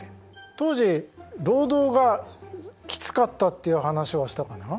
当時労働がきつかったっていう話はしたかな？